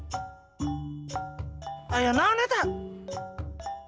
bisa saja kita pergi ke kantong pengurusnya